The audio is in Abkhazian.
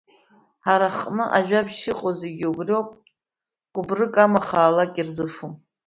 Ҳара ҳаҟны ажәабжьыс иҟоу убри ауп, кәбрык амаха аалак ирзыфом.